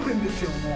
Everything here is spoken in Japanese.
もう。